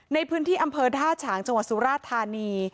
ในพื้นที่อำเภอท่าฉางจังหวัดสุราธานี